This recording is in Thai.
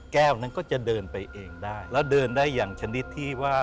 นั้นก็จะเดินไปเองได้แล้วเดินได้อย่างชนิดที่ว่า